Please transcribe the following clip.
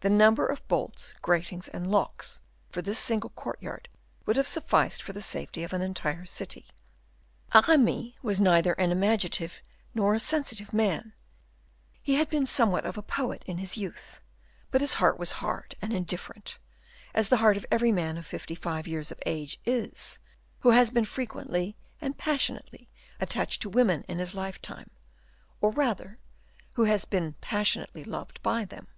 The number of bolts, gratings, and locks for this single courtyard would have sufficed for the safety of an entire city. Aramis was neither an imaginative nor a sensitive man; he had been somewhat of a poet in his youth, but his heart was hard and indifferent, as the heart of every man of fifty five years of age is, who has been frequently and passionately attached to women in his lifetime, or rather who has been passionately loved by them.